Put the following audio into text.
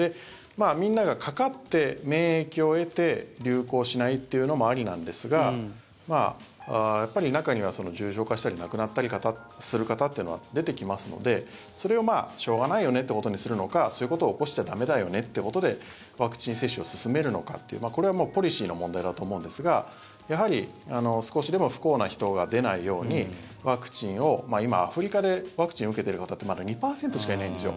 みんながかかって免疫を得て流行しないというのもありなんですがやっぱり中には重症化したり亡くなったりする方というのは出てきますのでそれをしょうがないよねっていうことにするのかそういうことを起こしちゃ駄目だよねっていうことでワクチン接種を進めるのかというこれはもうポリシーの問題だと思うんですがやはり少しでも不幸な人が出ないように、ワクチンを今、アフリカでワクチン受けている方ってまだ２％しかいないんですよ。